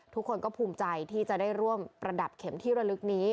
ทุกคนก็ภูมิใจที่จะได้ร่วมประดับเข็มที่ระลึกนี้